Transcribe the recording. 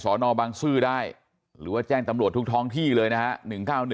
นบังซื้อได้หรือว่าแจ้งตำรวจทุกท้องที่เลยนะฮะ